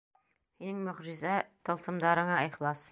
Һинең мөғжизә-тылсымдарыңа ихлас